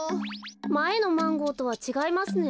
まえのマンゴーとはちがいますね。